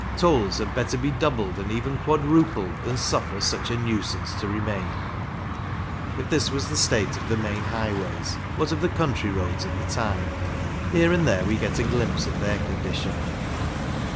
Tolls had better be doubled and even quadrupled than suffer such a nuisance to remain. If this was the state of the main highways, what of the country roads at the time? Here and there we get a glimpse of their condition.